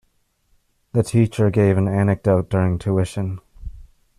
The teacher gave an anecdote during tuition.